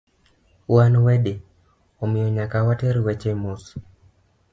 Wan wede, omiyo nyaka water weche mos